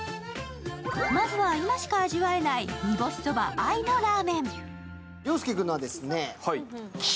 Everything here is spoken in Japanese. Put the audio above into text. まずは、今しか味わえない煮干そば藍のラーメン。